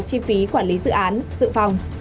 chi phí quản lý dự án dự phòng